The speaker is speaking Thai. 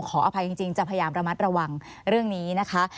ขออภัยจริงจะพยายามระมัดระวังเรื่องนี้นะคะ